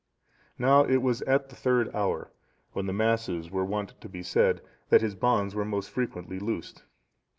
Now it was at the third hour, when the Masses were wont to be said, that his bonds were most frequently loosed.